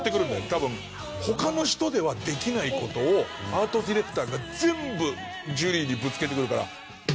多分他の人ではできない事をアートディレクターが全部ジュリーにぶつけてくるから。